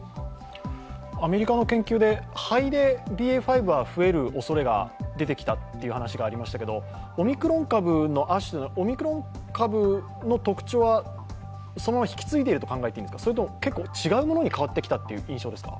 アメリカの研究で、肺でＢＡ．５は増えるおそれが出てきたという話がありましたけれども、オミクロン株の亜種でオミクロン株の特徴はそのまま引き継いでいるのかそれとも結構違うものに変わってきたという印象ですか？